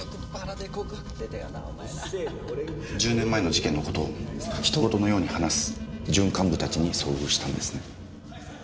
１０年前の事件の事を他人事のように話す準幹部たちに遭遇したんですね。